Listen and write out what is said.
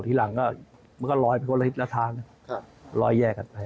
ที่หลังก็รอยไปคนละทิศละทางรอยแยกกันไป